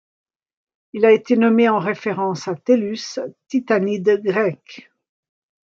Il a été nommé en référence à Tellus, titanide grecque.